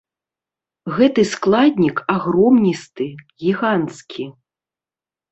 Гэты складнік агромністы, гіганцкі.